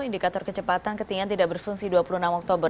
dikatur kecepatan ketika tidak berfungsi dua puluh enam oktober